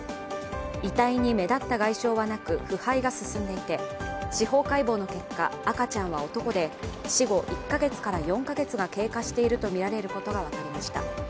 遺体に目立った外傷はなく腐敗が進んでいて司法解剖の結果、赤ちゃんは男で、死後１か月から４か月が経過しているとみられることが分かりました。